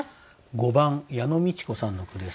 ６番上野京子さんの句です。